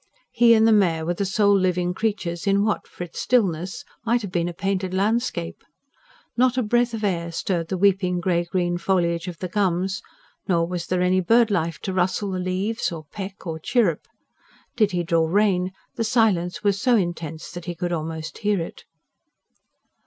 He and the mare were the sole living creatures in what, for its stillness, might have been a painted landscape. Not a breath of air stirred the weeping grey green foliage of the gums; nor was there any bird life to rustle the leaves, or peck, or chirrup. Did he draw rein, the silence was so intense that he could almost hear it.